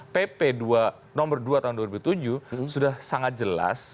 pp nomor dua tahun dua ribu tujuh sudah sangat jelas